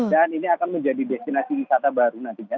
dan ini akan menjadi destinasi wisata baru nantinya